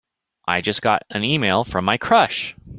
I just got an e-mail from my crush!